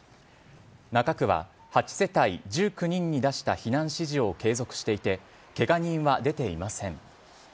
中区は８世帯１９人に出した避難指示を継続していて、けが人は出ていません。